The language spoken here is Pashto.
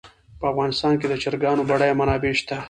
په افغانستان کې د چرګانو بډایه منابع شته.